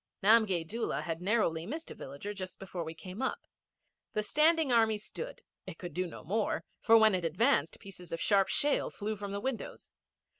Namgay Doola had narrowly missed a villager just before we came up. The Standing Army stood. It could do no more, for when it advanced pieces of sharp shale flew from the windows.